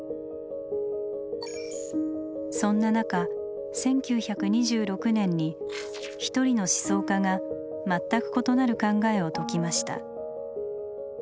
そんな中１９２６年に一人の思想家が全く異なる考えを説きました。